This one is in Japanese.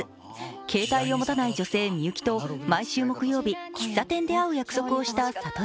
携帯を持たない女性・みゆきと毎週木曜日、喫茶店で会う約束をした悟。